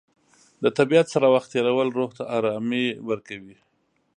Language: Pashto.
د طبیعت سره وخت تېرول روح ته ارامي ورکوي.